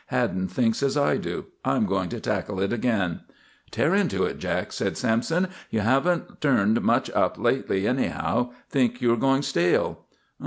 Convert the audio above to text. Haddon thinks as I do. I'm going to tackle it again." "Tear into it, Jack," said Sampson. "You haven't turned much up lately, anyhow. Think you are going stale."